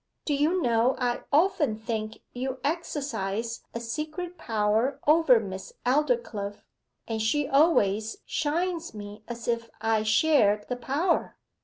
Do you know I often think you exercise a secret power over Miss Aldclyffe. And she always shuns me as if I shared the power.